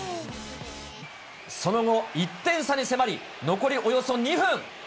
その後、１点差に迫り、残りおよそ２分。